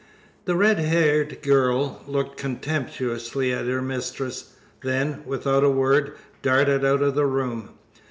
The red haired girl looked contemptuously at her mistress; then, without a word, darted out of the room.